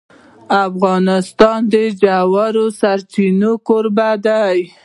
افغانستان د ژورې سرچینې کوربه دی.